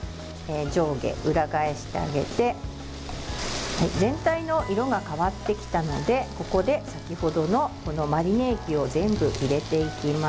上下裏返してあげて全体の色が変わってきたのでここで先ほどのマリネ液を全部入れていきます。